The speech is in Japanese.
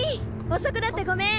遅くなってごめん！